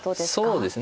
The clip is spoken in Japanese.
そうですね。